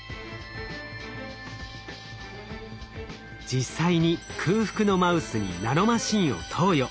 実際に空腹のマウスにナノマシンを投与。